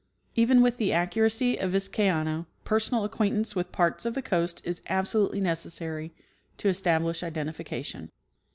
Even with the accuracy of Vizcaino, personal acquaintance with parts of the coast is absolutely necessary to establish identification.